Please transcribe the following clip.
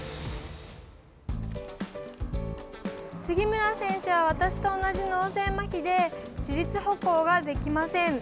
杉村選手は、私と同じ脳性まひで自立歩行ができません。